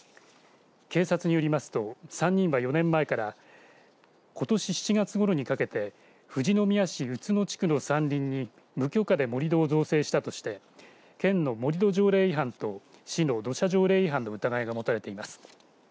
警察によりますと３人は４年前からことし７月ごろにかけて富士宮市内野地区の山林に無許可で盛り土を造成したとして県の盛り土条例違反と市の土砂条例違反の疑いが持たれています。